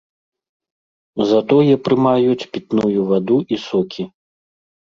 Затое прымаюць пітную ваду і сокі.